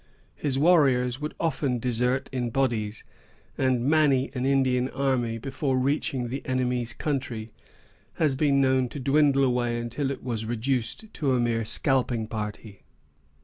His warriors would often desert in bodies; and many an Indian army, before reaching the enemy's country, has been known to dwindle away until it was reduced to a mere scalping party.